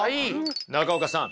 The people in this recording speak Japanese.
中岡さん